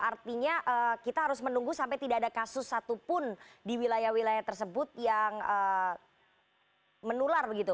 artinya kita harus menunggu sampai tidak ada kasus satupun di wilayah wilayah tersebut yang menular begitu